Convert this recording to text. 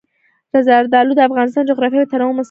زردالو د افغانستان د جغرافیوي تنوع مثال دی.